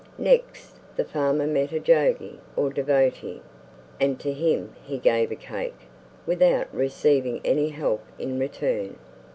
Next the farmer met a Jogi or devotee, and to him he gave a cake, without receiving any help in return.